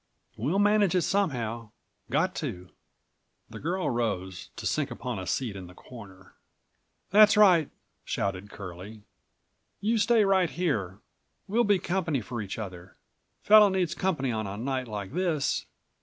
We'll manage it somehow—got to." The girl rose, to sink upon a seat in the corner. "That's right," shouted Curlie. "You stay right here. We'll be company for each other. Fellow needs company on a night like this.